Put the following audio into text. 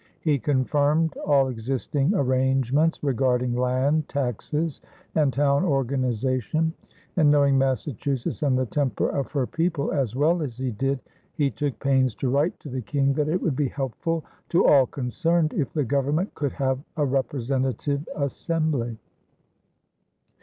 He confirmed all existing arrangements regarding land, taxes, and town organization, and, knowing Massachusetts and the temper of her people as well as he did, he took pains to write to the King that it would be helpful to all concerned if the Government could have a representative assembly.